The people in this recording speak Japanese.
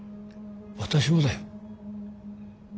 私もだよ。